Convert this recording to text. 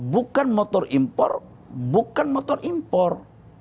bukan motor impor bukan motor impor